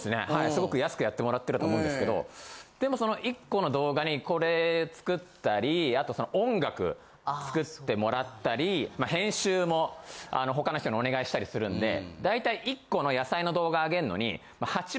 すごく安くやってもらってると思うんですけどでもその１個の動画にこれ作ったりあとその音楽作ってもらったり編集も他の人にお願いしたりするんでだいたい。